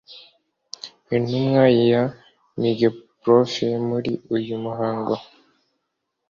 Intumwa ya Migeprof muri uyu muhango